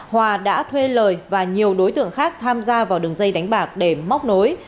hòa đã thuê lời và nhiều đối tượng khác tham gia vào đường dây đánh bạc để móc nối